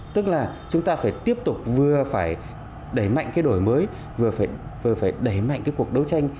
tức là chúng ta phải tiếp tục vừa phải đẩy mạnh cái đổi mới vừa phải đẩy mạnh cái cuộc đấu tranh